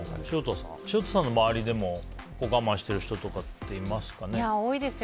潮田さんの周りでも我慢している人とかって多いですよ。